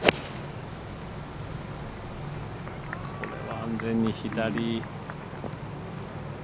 これは安全に左。